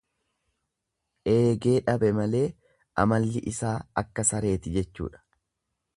Eegee dhabe malee amalli isaa akka sareeti jechuudha.